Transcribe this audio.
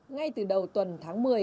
ngay từ đầu tuần tháng một mươi